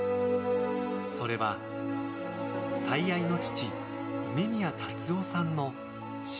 それは、最愛の父梅宮辰夫さんの死。